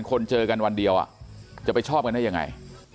คนเจอกันวันเดียวจะไปชอบกันได้ยังไง